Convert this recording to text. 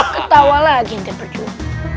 ketawa lagi ente berdua